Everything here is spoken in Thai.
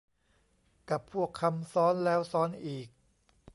กับพวกคำซ้อนแล้วซ้อนอีก